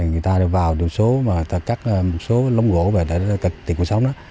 người ta đã vào đường số mà ta cắt một số lống gỗ về để tiệc cuộc sống